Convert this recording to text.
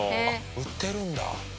売ってるんだ。